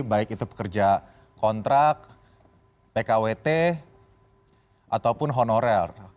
baik itu pekerja kontrak pkwt ataupun honorer